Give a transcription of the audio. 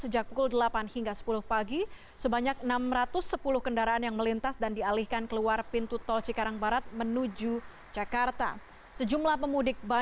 jalan asia afrika